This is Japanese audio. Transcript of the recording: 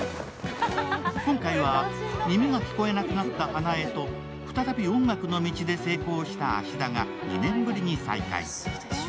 今回は耳が聞こえなくなった花枝と再び音楽の道で成功した芦田が２年ぶりに再開。